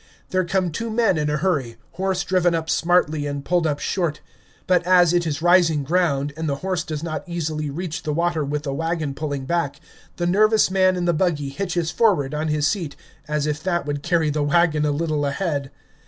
There come two men in a hurry, horse driven up smartly and pulled up short; but as it is rising ground, and the horse does not easily reach the water with the wagon pulling back, the nervous man in the buggy hitches forward on his seat, as if that would carry the wagon a little ahead!